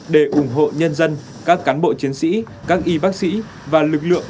để ủng hộ nhân dân các cán bộ chiến sĩ các y bác sĩ và lực lượng